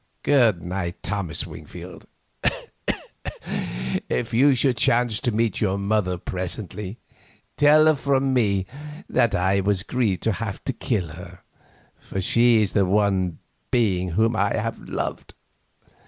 Good night, Thomas Wingfield; if you should chance to meet your mother presently, tell her from me that I was grieved to have to kill her, for she is the one being whom I have loved.